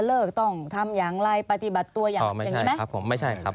เลิกต้องทำอย่างไรปฏิบัติตัวอย่างอย่างนี้ไหมครับผมไม่ใช่ครับ